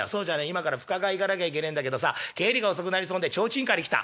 今から深川行かなきゃいけねえんだけどさ帰りが遅くなりそうなんで提灯借り来た」。